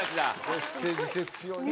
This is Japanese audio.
メッセージ性強いなあ。